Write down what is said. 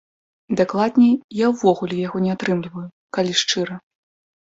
Дакладней, я ўвогуле яго не атрымліваю, калі шчыра.